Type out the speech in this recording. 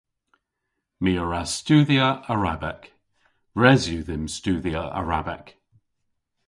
My a wra studhya Arabek. Res yw dhymm studhya Arabek.